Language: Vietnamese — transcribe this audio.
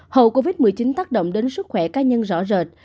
hậu covid một mươi chín tác động đến sức khỏe cá nhân rõ rệt